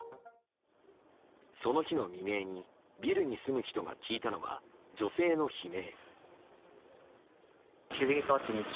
その日の未明にビルに住む人が聞いたのは女性の悲鳴。